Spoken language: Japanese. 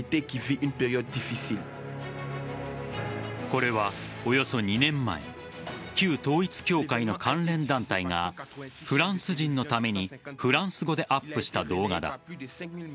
これはおよそ２年前旧統一教会の関連団体がフランス人のためにフランス語でアップした動画だ。